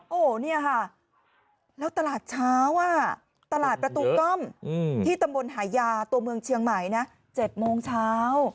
โอ้โหเนี่ยค่ะแล้วตลาดเช้าตลาดประตูก้อมที่ตำบลหายาตัวเมืองเชียงใหม่นะ๗โมงเช้า